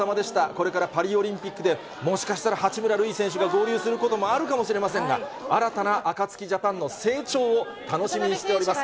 これからパリオリンピックでもしかしたら八村塁選手が合流することもあるかもしれませんが、新たなアカツキジャパンの成長を楽しみにしております。